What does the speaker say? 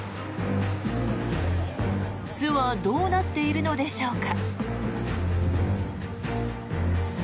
巣はどうなっているのでしょうか。